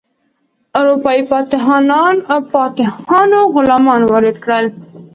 اروپایي فاتحانو غلامان وارد کړل.